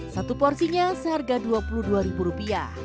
satu porsinya seharga rp dua puluh dua